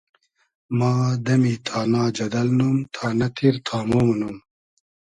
ما دئمی تانا جئدئل نوم ، تانۂ تیر تامۉ مونوم